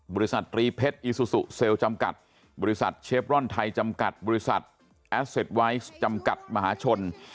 บริษัทตรีเพชรอีซูซูเซลล์จำกัดบริษัทเชฟร่อนไทยจำกัดบริษัทแอสเซ็ตไวท์จำกัดมหาชน